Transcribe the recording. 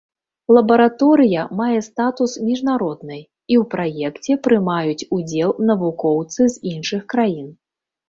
Лабараторыя мае статус міжнароднай, і ў праекце прымаюць удзел навукоўцы з іншых краін.